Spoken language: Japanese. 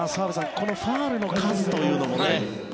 このファウルの数というのもね。